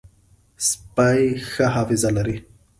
سپي ښه حافظه لري.